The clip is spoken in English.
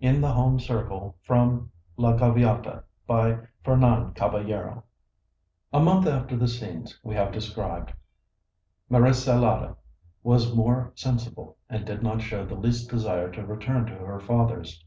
IN THE HOME CIRCLE From 'La Gaviota' A month after the scenes we have described, Marisalada was more sensible, and did not show the least desire to return to her father's.